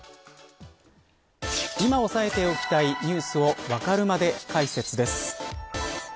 今押さえておきたいニュースをわかるまで解説です。